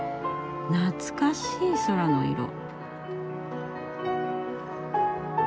懐かしい空の色。